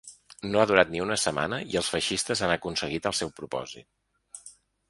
No ha durat ni una setmana i els feixistes han aconseguit el seu propòsit.